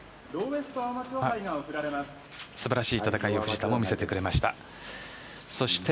素晴らしい戦いを藤田も見せてくれました。